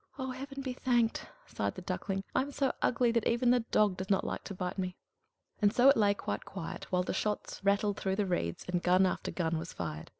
"Oh, Heaven be thanked!" sighed the Duckling. "I am so ugly that even the dog does not like to bite me!" And so it lay quite quiet, while the shots rattled through the reeds and gun after gun was fired.